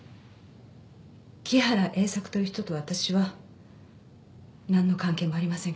木原栄作という人と私はなんの関係もありませんから。